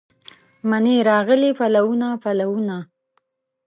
مني راغلي پلونه، پلونه